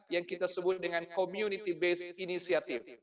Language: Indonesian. yang kita sebut dengan community based initiative